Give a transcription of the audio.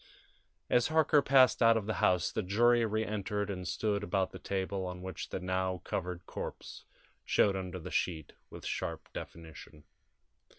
As Harker passed out of the house the jury reentered and stood about the table on which the now covered corpse showed under the sheet with sharp definition.